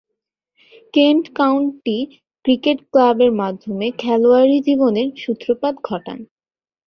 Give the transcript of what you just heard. Kent County cricket ক্লাবের মাধ্যমে খেলোয়াড়ী জীবনের সূত্রপাত ঘটান।